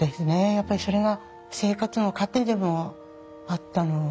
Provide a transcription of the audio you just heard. やっぱりそれが生活の糧でもあったので。